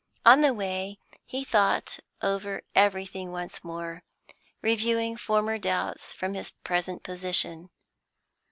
On the way, he thought over everything once more, reviewing former doubts from his present position.